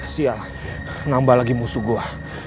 sial menambah lagi musuh gua